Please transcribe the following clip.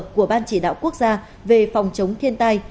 của ban chỉ đạo quốc gia về phòng chống thiên tai